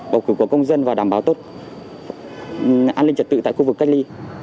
bầu cử của công dân và đảm bảo tốt an ninh trật tự tại khu vực cách ly